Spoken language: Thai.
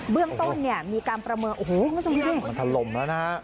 เบื้องต้นเนี่ยมีการประเมินโอ้โหมันถล่มแล้วนะฮะ